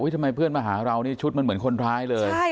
ทำไมเพื่อนมาหาเรานี่ชุดมันเหมือนคนร้ายเลย